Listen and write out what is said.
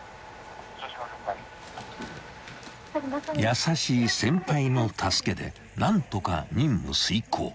［優しい先輩の助けで何とか任務遂行］